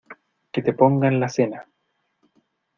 Que te pongan la cena.